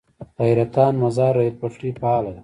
د حیرتان - مزار ریل پټلۍ فعاله ده؟